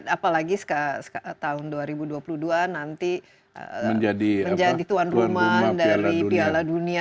apalagi tahun dua ribu dua puluh dua nanti menjadi tuan rumah dari piala dunia